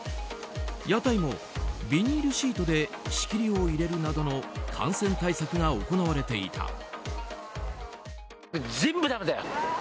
屋台もビニールシートで仕切りを入れるなどの感染対策が行われていた。